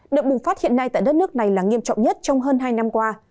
được bùng phát hiện nay tại đất nước này là nghiêm trọng nhất trong hơn hai năm qua